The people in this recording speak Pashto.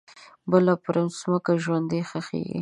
بله پرمځکه ژوندۍ ښخیږې